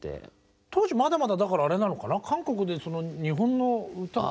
当時まだまだあれなのかな韓国で日本の歌が。